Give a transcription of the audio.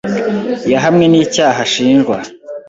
Yahamwe n'icyaha ashinjwa.